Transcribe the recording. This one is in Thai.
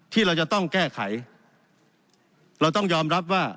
ที่เราจะต้องแก้ไขเราต้องยอมรับว่า